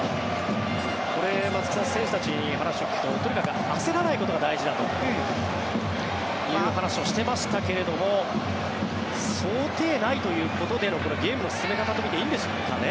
松木さん選手たちに話を聞くととにかく焦らないことが大事だという話をしていましたけれども想定内ということでのゲームの進め方とみていいんでしょうかね？